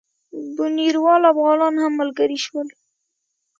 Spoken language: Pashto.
بُنیروال افغانان هم ملګري شول.